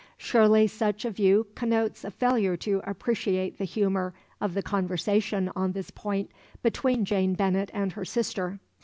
Surely such a view connotes a failure to appreciate the humour of the conversation on this point between Jane Bennet and her sister.